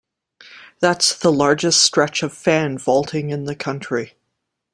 That's the largest stretch of fan vaulting in the country.